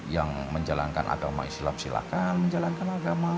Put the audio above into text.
yang menjalankan agama islam silakan menjalankan agama